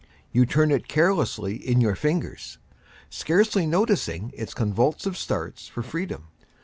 You turn it carelessly in your fingers, scarcely noticing its convulsive starts for freedom.